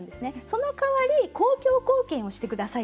その代わり公共貢献をしてくださいと。